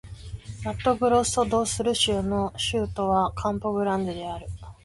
マットグロッソ・ド・スル州の州都はカンポ・グランデである